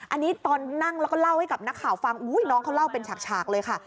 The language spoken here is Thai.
อันนี้ตอนนั่งแล้วก็เล่าให้กับนักข่าวฟังอุ้ยน้องเขาเล่าเป็นฉากเลยค่ะ